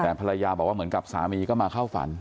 แต่ภรรยาบอกว่าเหมือนกับสามีก็มาเข้าฝัน